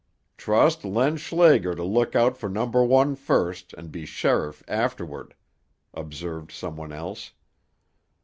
"Trust Len Schlager to look out for number one first, an' be sheriff afterward," observed some one else.